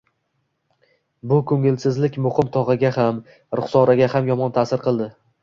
Bu ko`ngilsizlik Muqim tog`aga ham, Ruxsoraga ham yomon ta`sir qildi